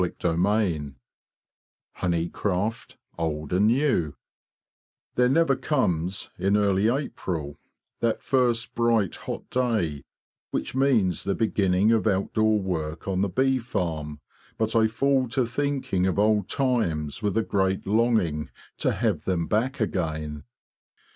CHAPTER XXVIII HONEY CRAFT OLD AND NEW "THERE never comes, in early April, that first bright hot day which means the beginning of outdoor work on the bee farm, but I fall to think ing of old times with a great longing to have them back again.